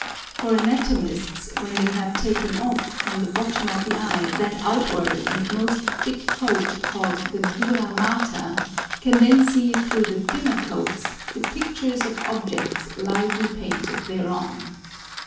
For Anatomists, when they have taken off from the bottom of the Eye that outward and most thick Coat called the Dura Mater, can then see through the thinner Coats, the Pictures of Objects lively painted thereon.